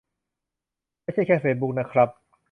ไม่ใช่แค่เฟซบุ๊กนะครับ